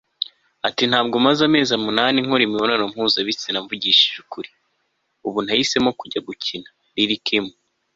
ati ntabwo maze amezi umunani nkora imibonano mpuzabitsina mvugishije ukuri, ubu nahisemo kujya gukina - lil 'kim